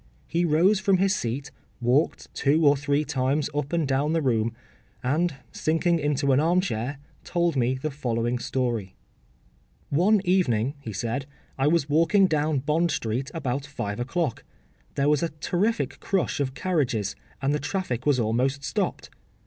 He rose from his seat, walked two or three times up and down the room, and, sinking into an armchair, told me the following story:— ‘One evening,’ he said, ‘I was walking down Bond Street about five o’clock. There was a terrific crush of carriages, and the traffic was almost stopped.